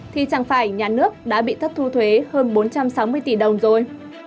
thì chẳng phải nhà nước đã bị thất thu thuế hơn bốn trăm sáu mươi tỷ đồng rồi